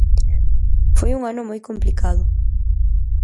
Foi un ano moi complicado.